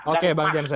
oke bang jensen